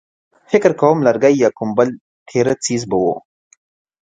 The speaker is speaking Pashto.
فکر کوم لرګی يا کوم بل تېره څيز به و.